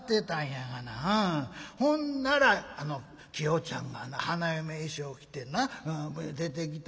ほんならあのきよちゃんがな花嫁衣装着てな出てきた。